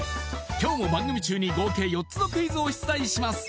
今日の番組中に合計４つのクイズを出題します